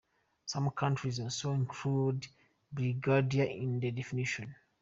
Some countries also include brigadier in the definition.